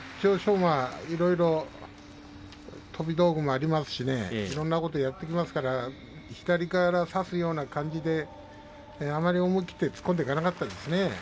馬は、いろいろ飛び道具もありますしいろんなことをやってきますし左から差すような感じであまり思い切って突っ込んでいかなかったですね。